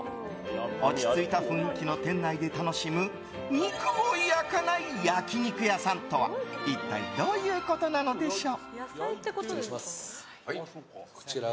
落ち着いた雰囲気の店内で楽しむ肉を焼かない焼き肉屋さんとは一体どういうことなのでしょう。